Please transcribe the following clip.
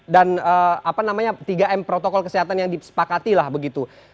dan apa namanya tiga m protokol kesehatan yang disepakati lah begitu